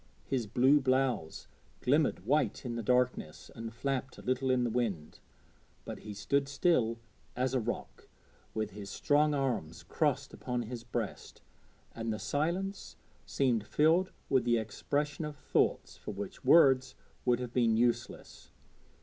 His blue blouse glimmered white in the darkness and flapped a little in the wind, but he stood still as a rock, with his strong arms crossed upon his breast, and the silence seemed filled with the expression of thoughts for which words would have been useless.